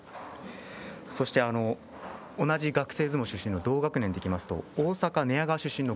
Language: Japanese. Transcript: そして同じ学生相撲出身の同学年でいきますと大阪・寝屋川出身の